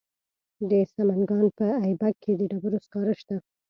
د سمنګان په ایبک کې د ډبرو سکاره شته.